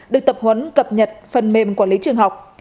được tập huấn cập nhật phần mềm quản lý trường học